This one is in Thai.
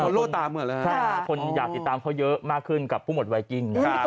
อ่าโล่ตามหมื่นเลยอ่ะใช่ค่ะคนอยากติดตามเขาเยอะมากขึ้นกับผู้หมวดไวกิงนะฮะ